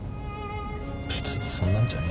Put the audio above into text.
別にそんなんじゃねえよ。